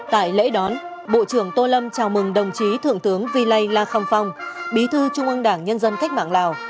tại lễ đón bộ trưởng tô lâm chào mừng đồng chí thượng tướng vi lây la kham phong bí thư trung ương đảng nhân dân cách mạng lào